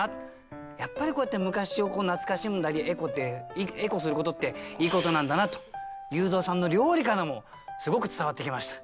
やっぱりこうやって昔を懐かしんだりエコすることっていいことなんだなと裕三さんの料理からもすごく伝わってきました。